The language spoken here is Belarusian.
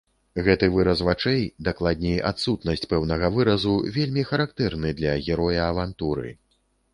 Гэты выраз вачэй, дакладней, адсутнасць пэўнага выразу, вельмі характэрны для героя авантуры.